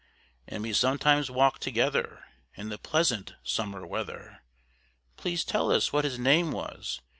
And we sometimes walked together in the pleasant summer weather, "Please to tell us what his name was?"